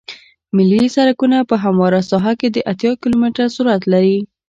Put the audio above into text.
ملي سرکونه په همواره ساحه کې د اتیا کیلومتره سرعت لري